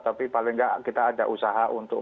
tapi paling tidak kita ada usaha untuk